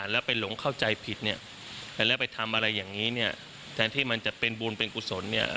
แล้วไปทำอะไรอย่างงี้เนี่ยแทนที่มันจะเป็นบุญเป็นอุศลเนี่ย